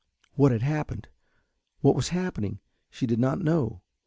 What had happened, what was happening, she did not know.